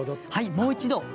はいもう一度。